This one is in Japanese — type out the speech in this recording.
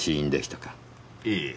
ええ。